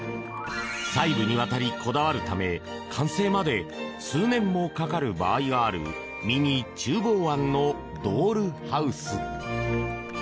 細部にわたりこだわるため完成まで数年もかかる場合があるミニ厨房庵のドールハウス。